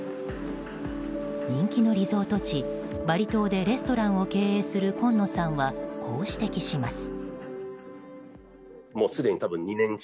人気のリゾート地・バリ島でレストランを経営する今野さんは、こう指摘します。